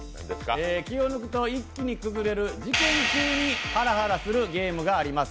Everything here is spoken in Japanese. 気を抜くと一気に崩れる事件級にハラハラするゲームがあります